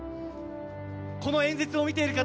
この演説を見ている方